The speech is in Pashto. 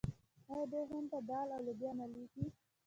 آیا دوی هند ته دال او لوبیا نه لیږي؟